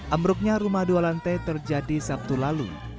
ambruknya rumah dua lantai terjadi sabtu lalu